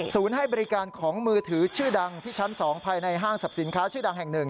ให้บริการของมือถือชื่อดังที่ชั้น๒ภายในห้างสรรพสินค้าชื่อดังแห่ง๑